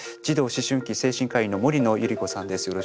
児童・思春期精神科医の森野百合子さんです。